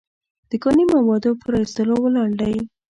د کاني موادو په را ایستلو ولاړ دی.